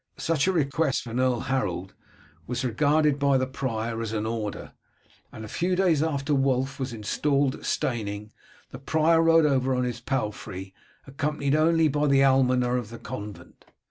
Such a request from Earl Harold was regarded by the prior as an order, and a few days after Wulf was installed at Steyning the prior rode over on his palfrey, accompanied only by the almoner of the convent.